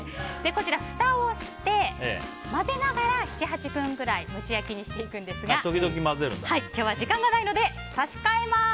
こちら、ふたをして混ぜながら７８分くらい蒸し焼きにしていくんですが今日は時間がないので差し替えます。